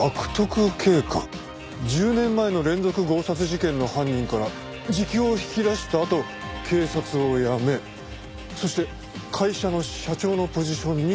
１０年前の連続強殺事件の犯人から自供を引き出したあと警察を辞めそして会社の社長のポジションに就いた。